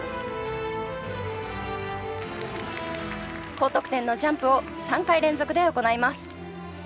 高得点のジャンプを３回連続で行います。